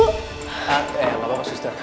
eh bapak bapak sistir